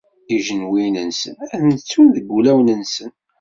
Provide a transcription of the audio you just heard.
Ijenwiyen-nsen ad ntun deg wulawen-nsen.